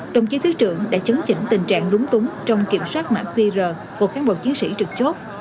đồng chí thứ trưởng đã chấn chỉnh tình trạng đúng túng trong kiểm soát mạng vr của kháng bộ chiến sĩ trực chốt